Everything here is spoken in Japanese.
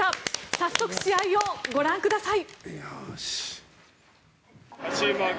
早速、試合をご覧ください。